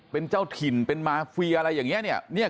เป็นเจ้าถิ่นเป็นมาฟีอะไรอย่างนี้